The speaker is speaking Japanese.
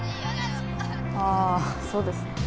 ああそうですね。